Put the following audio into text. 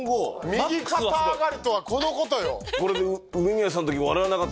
右肩上がりとはこのことよ。